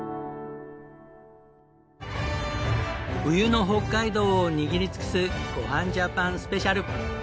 冬の北海道を握り尽くす『ごはんジャパン』スペシャル。